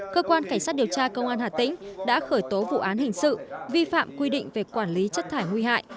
cơ quan cảnh sát điều tra công an hà tĩnh đã khởi tố vụ án hình sự vi phạm quy định về quản lý chất thải nguy hại